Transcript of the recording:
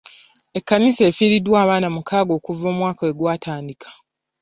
Ekkanisa effiriddwa abaana mukaaga okuva omwaka we gwatandika.